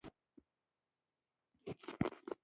په دې وسیله هېواد د بهرني طاقت له پورونو وژغوري.